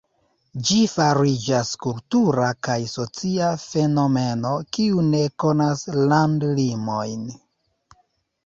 Ĝi fariĝas kultura kaj socia fenomeno kiu ne konas landlimojn.